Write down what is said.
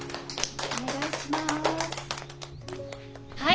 はい。